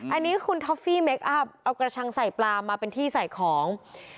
อันนี้คุณท็อฟฟี่เมคอัพเอากระชังใส่ปลามาเป็นที่ใส่ของ